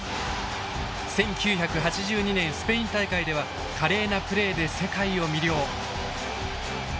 １９８２年スペイン大会では華麗なプレーで世界を魅了。